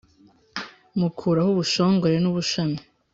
mukuraho ubushongore n’ubushami